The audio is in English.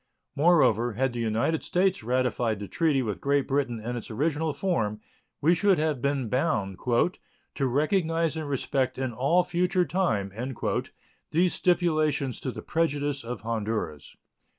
Moreover, had the United States ratified the treaty with Great Britain in its original form, we should have been bound "to recognize and respect in all future time" these stipulations to the prejudice of Honduras.